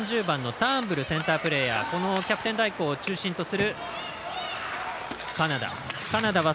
４０番のターンブルがセンタープレーヤーキャプテン代行を中心とするカナダ。